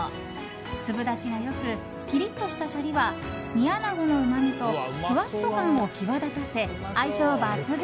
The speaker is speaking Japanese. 粒立ちが良くきりっとしたシャリは煮穴子のうまみとふわっと感を際立たせ相性抜群。